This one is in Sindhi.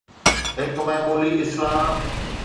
هڪ معمولي اصلاح